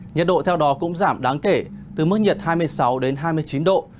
nhiệt độ theo đó cũng giảm đáng kể từ mức nhiệt hai mươi sáu đến hai mươi chín độ